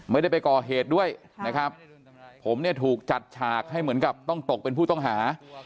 ไม่ได้ไปก่อเหตุด้วยนะครับผมเนี่ยถูกจัดฉากให้เหมือนกับต้องตกเป็นผู้ต้องหา